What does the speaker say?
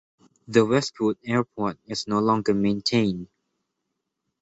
The Westwood Airport is no longer maintained.